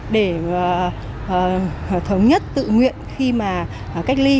để thống nhất tự nguyện khi cách ly